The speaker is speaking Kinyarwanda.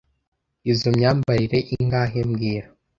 Izoi myambarire ingahe mbwira